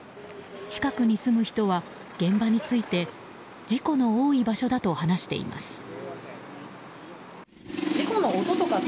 近くに住む人は現場について事故の多い場所だと話しています。